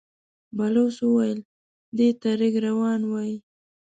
بلوڅ وويل: دې ته رېګ روان وايي.